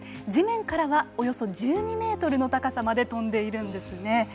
地面からはおよそ１２メートルの高さまでとんでいるんですね。